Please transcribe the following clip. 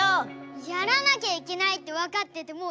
やらなきゃいけないってわかっててもいやなんだ。